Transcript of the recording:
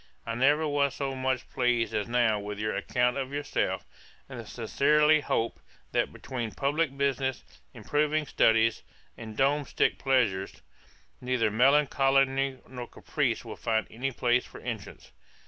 I never was so much pleased as now with your account of yourself; and sincerely hope, that between publick business, improving studies, and domestick pleasures, neither melancholy nor caprice will find any place for entrance.